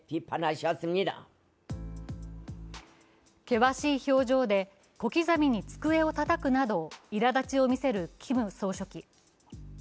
険しい表情で小刻みに机をたたくなどいらだちを見せるキム総書記。